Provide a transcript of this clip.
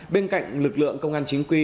bên cạnh lực lượng công an chính quy